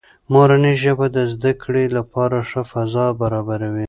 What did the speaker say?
مورنۍ ژبه د زده کړې لپاره ښه فضا برابروي.